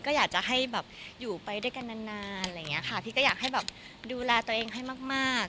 ก็อยากจะให้แบบอยู่ไปด้วยกันนานอะไรอย่างนี้ค่ะพี่ก็อยากให้แบบดูแลตัวเองให้มาก